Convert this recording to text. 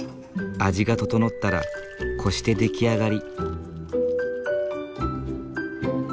味が調ったらこして出来上がり。